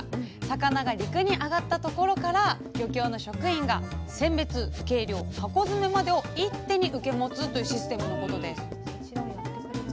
魚が陸にあがったところから漁協の職員が選別計量箱詰めまでを一手に受け持つというシステムのことです。